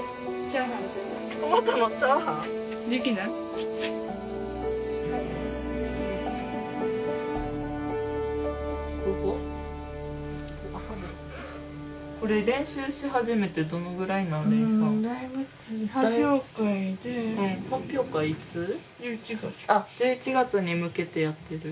あっ１１月に向けてやってる？